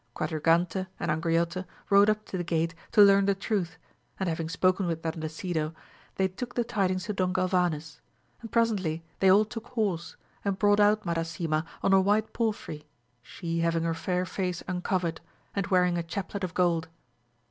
Quadragante and Angriote rode up to the gate to learn the truth, and having spoken with Dandasido, they took the tidings to Don Galvanes ; presently they all took horse, and brought out Madasima on a white palfrey, she having her fair face uncovered, and wear ing a chaplet of gold.